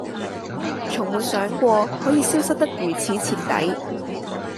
從沒想過可以消失得如此徹底